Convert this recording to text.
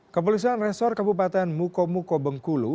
kepolisian resor kabupaten mukomuko bengkulu